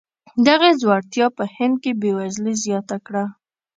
دغې ځوړتیا په هند کې بېوزلي زیاته کړه.